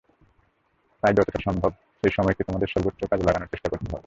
তাই যতটা সম্ভব সেই সময়কে তোমাদের সর্বোচ্চ কাজে লাগানোর চেষ্টা করতে হবে।